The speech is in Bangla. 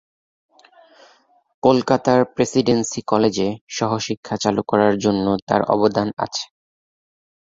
কলকাতার প্রেসিডেন্সী কলেজে সহশিক্ষা চালু করার জন্য তাঁর অবদান আছে।